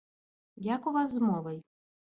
Як у вас з мовай?